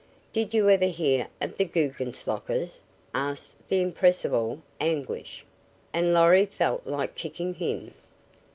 "Did you ever hear of the Guggenslockers?" asked the irrepressible Anguish, and Lorry felt like kicking him.